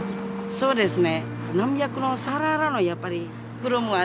そうですね。